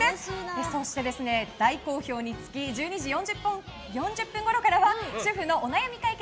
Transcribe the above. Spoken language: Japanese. そして大好評につき１２時４０分ごろからは主婦のお悩み解決！